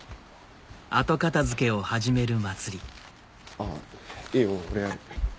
あぁいいよ俺やる。